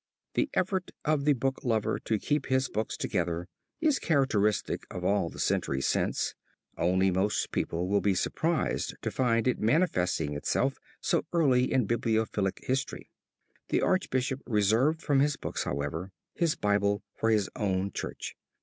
The effort of the booklover to keep his books together is characteristic of all the centuries since, only most people will be surprised to find it manifesting itself so early in bibliophilic history. The Archbishop reserved from his books, however, his Bible for his own church.